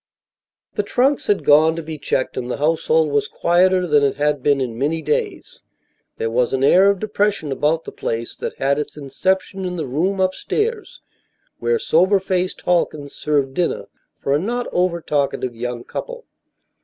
The trunks had gone to be checked, and the household was quieter than it had been in many days. There was an air of depression about the place that had its inception in the room upstairs where sober faced Halkins served dinner for a not over talkative young couple.